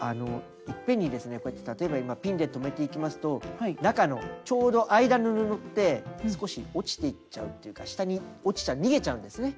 いっぺんにですねこうやって例えば今ピンで留めていきますと中のちょうど間の布って少し落ちていっちゃうっていうか下に落ちちゃう逃げちゃうんですね。